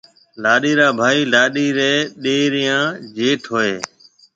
لاڏيَ را ڀائي لاڏيِ ريَ ڏَير يان جيٺ هوئي هيَ۔